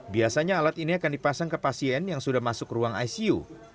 biasanya alat ini akan dipasang ke pasien yang sudah masuk ruang icu